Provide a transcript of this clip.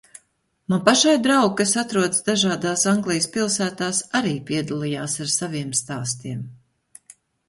Man pašai draugi, kas atrodas dažādās Anglijas pilsētās arī padalījās ar saviem stāstiem.